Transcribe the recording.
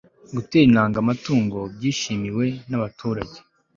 gutera intanga amatungo byishimiwe n'abaturage